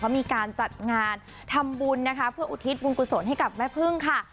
มีการจัดงานทำบุญนะคะเพื่ออุทิศบุญกุศลให้กับแม่พึ่งค่ะ